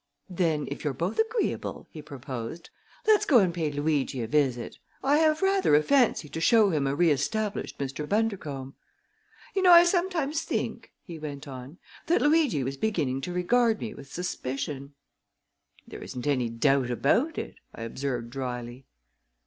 "Then, if you're both agreeable," he proposed, "let us go and pay Luigi a visit. I have rather a fancy to show him a reestablished Mr. Bundercombe. You know, I sometimes think," he went on, "that Luigi was beginning to regard me with suspicion!" "There isn't any doubt about it," I observed dryly.